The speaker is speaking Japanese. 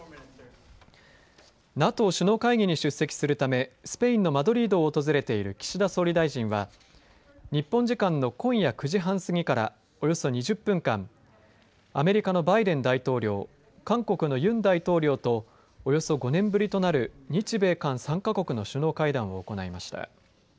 ＮＡＴＯ首脳会議に出席するためスペインのマドリードを訪れている岸田総理大臣は日本時間の今夜９時半すぎからおよそ２０分間アメリカのバイデン大統領韓国のユン大統領とおよそ５年ぶりとなる日米韓３か国の首脳会談を行いました。